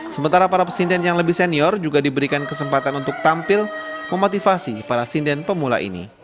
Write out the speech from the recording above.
sementara para pesinden yang lebih senior juga diberikan kesempatan untuk tampil memotivasi para sinden pemula ini